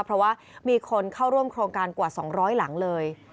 เพราะว่ามีคนเข้าร่วมโครงการกว่า๒๐๐หลังเลย